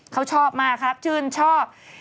เขาชอบมากครับชื่นชอบ